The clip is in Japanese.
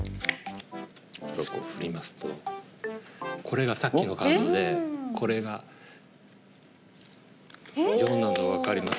これをこう振りますとこれがさっきのカードでこれが４なの分かります？